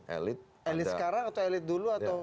elit elit sekarang atau elit dulu atau